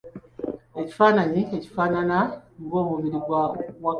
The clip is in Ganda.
Ekifananyi kifaanana ng'omubiri gwa Wakkapa.